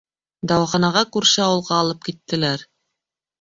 Дауаханаға күрше ауылға алып киттеләр.